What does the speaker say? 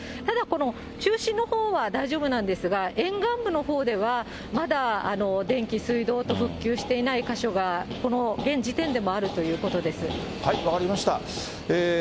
ただ、この中心のほうは大丈夫なんですが、沿岸部のほうではまだ電気、水道と復旧していない箇所が、分かりました。